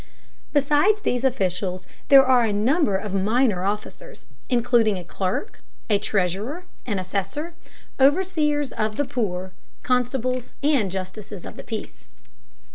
Besides these officials, there are a number of minor officers, including a clerk, a treasurer, an assessor, overseers of the poor, constables, and justices of the peace.